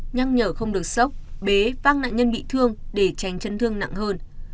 nhắc nhở không được sốc bế văng nạn nhân bị thương để tránh chân thương nặng hơn